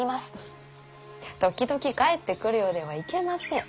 時々帰ってくるようではいけません。